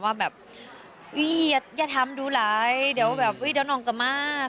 ว่าแบบอย่าทำดูไลก์เดี๋ยวน้องก็มาก